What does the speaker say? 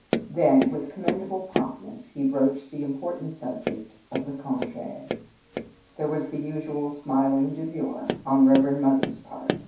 Then, with commendable promptness, he broached the important subject of the conge. There was the usual smil ing demur on Reverend Mother s part.